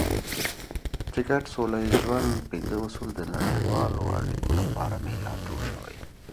د ګډ سوله ییز ژوند پنځه اصول د نړیوالو اړیکو لپاره معیار جوړ شوی.